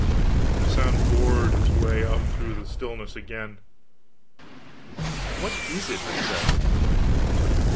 The sound bored its way up through the stillness again. "What is it?" I said.